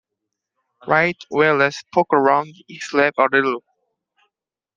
Right, well let's poke around his lab a little.